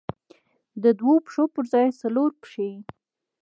د دوو پښو پر ځای څلور پښې.